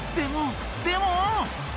でも。